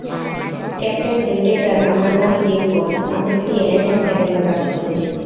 Captain Whitaker, আমার নাম Jim Court, আমি সিএনএন চ্যানেলে কাজ করি।